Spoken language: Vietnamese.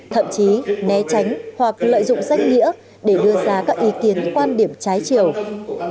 thậm chí né tránh hoặc lợi dụng danh nghĩa để đưa ra các ý kiến quan điểm trái chiều điều này khiến chúng ta không thể tìm hiểu về vấn đề này